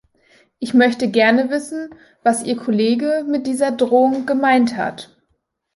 Ich möchte gerne wissen, was Ihr Kollege mit dieser Drohung gemeint hat.